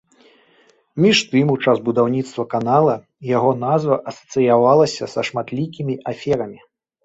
Між тым у час будаўніцтва канала яго назва асацыявалася са шматлікімі аферамі.